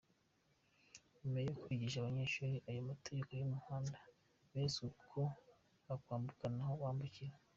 Nyuma yo kwigisha abanyeshuri ayo mategeko y’umuhanda, beretswe uko bakwambuka n’aho bambukira.